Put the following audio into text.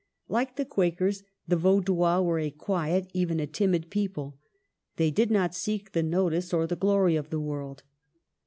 Like the Quakers, the Vaudois were a quiet, even a timid people. They did not seek the notice or the glory of the world.